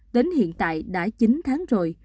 đến hiện tại đã chín tháng rồi